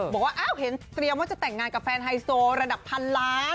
บอกว่าอ้าวเห็นเตรียมว่าจะแต่งงานกับแฟนไฮโซระดับพันล้าน